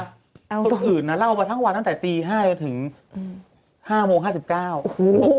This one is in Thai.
คนอื่นนะเล่ามาทั้งวันตั้งแต่ตี๕ถึง๕โมง๕๙